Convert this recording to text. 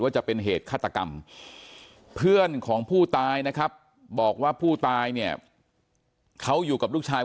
จะเป็นเหตุฆาตกรรมเพื่อนของผู้ตายนะครับบอกว่าผู้ตายเนี่ยเขาอยู่กับลูกชาย